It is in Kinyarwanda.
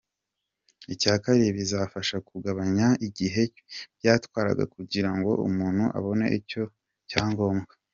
Icya kabiri bizafasha kugabanya igihe byatwaraga kugira ngo umuntu abone icyo cyangombwa.